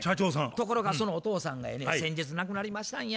ところがそのお父さんがやね先日亡くなりましたんや。